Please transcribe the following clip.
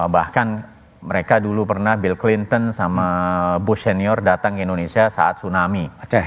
bahkan mereka dulu pernah bill clinton sama bush senior datang ke indonesia saat tsunami